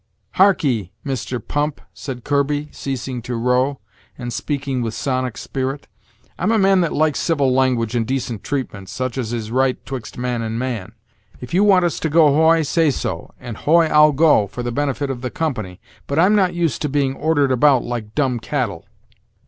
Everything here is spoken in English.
"Harkee, Mister Pump," said Kirby, ceasing to row, and speaking with sonic spirit; "I'm a man that likes civil language and decent treatment, such as is right 'twixt man and man. If you want us to go hoy, say so, and hoy I'll go, for the benefit of the company; but I'm not used to being ordered about like dumb cattle."